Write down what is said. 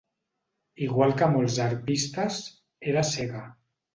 Igual que molts arpistes, era cega.